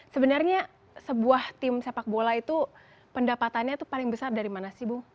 sebenarnya sebuah tim sepak bola itu pendapatannya itu paling besar dari mana sih bu